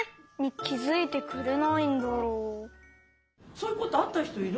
そういうことあったひといる？